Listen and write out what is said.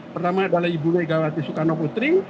pertama adalah ibu negawati sukarno putri